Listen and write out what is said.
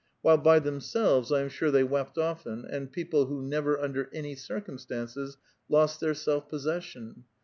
While by themselves, 1 am sure they wept often), and people who never, under any circumstances, lost their self possession.